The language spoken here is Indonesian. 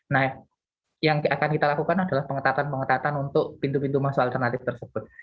nah yang akan kita lakukan adalah pengetatan pengetatan untuk pintu pintu masuk alternatif tersebut